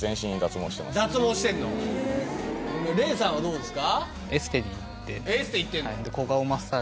Ｒａｙさんはどうですか？